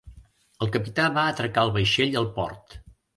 El capità va atracar el vaixell al port.